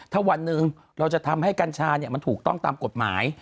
ถ้าวันหนึ่งเราจะทำให้กัญชามันถูกต้องตามกฎหมาย